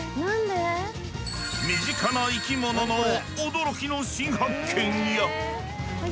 身近な生き物の驚きの新発見や。